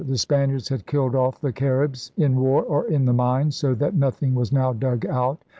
The Spaniards had killed off the Caribs in war or in the mines, so that nothing was now dug out.